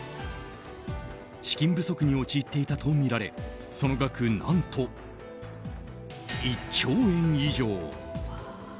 資金不足に陥っていたとみられその額、何と１兆円以上。